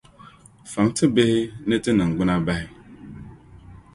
Fam ti bihi ni ti niŋgbuna bahi!